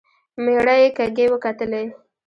مېړه يې کږې وکتلې.